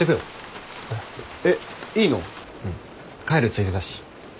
帰るついでだし。